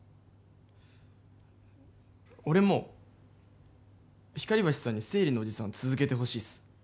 俺も光橋さんに生理のおじさん続けてほしいっす。